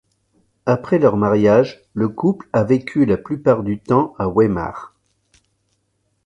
Après leur mariage, le couple a vécu la plupart du temps à Weimar.